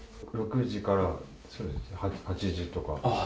６時から８時とか。